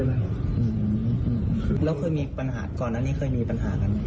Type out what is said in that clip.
อืมแล้วเคยมีปัญหาก่อนนั้นยังเคยมีปัญหากัน